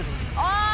ああ！